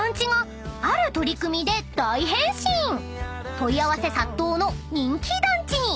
［問い合わせ殺到の人気団地に］